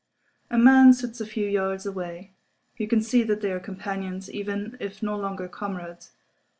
A man sits a few yards away. You can see that they are companions, even if no longer comrades.